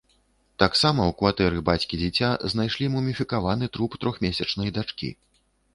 Таксама ў кватэры бацькі дзіця знайшлі муміфікаваны труп трохмесячнай дачкі.